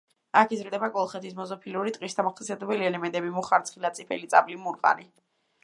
აქ იზრდება კოლხეთის მეზოფილური ტყის დამახასიათებელი ელემენტები: მუხა, რცხილა, წიფელი, წაბლი, მურყანი.